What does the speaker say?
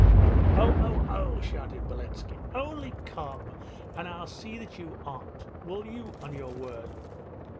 'Oh, oh, oh!' shouted Beletski. 'Only come, and I'll see that you aren't. Will you? On your word?'